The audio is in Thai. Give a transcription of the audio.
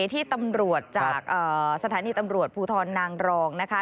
ที่ตำรวจจากสถานีตำรวจภูทรนางรองนะคะ